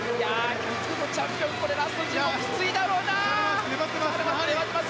１００のチャンピオンラスト１５きついだろうな。